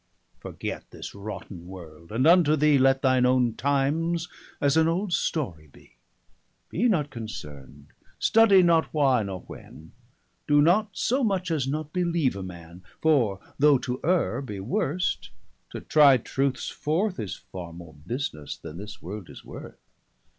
Forget this rotten world; And unto thee Let thine owne times as an old storie bee. 50 Be not concern'd: studie not why, nor when; Doe not so much as not beleeve a man. For though to erre, be worst, to try truths forth, Is far more businesse, then this world is worth.